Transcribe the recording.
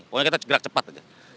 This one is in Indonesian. pokoknya kita gerak cepat aja